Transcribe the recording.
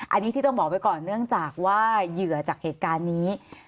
อันนี้ที่ต้องบอกไว้ก่อนเนื่องจากว่าเหยื่อจากเหตุการณ์นี้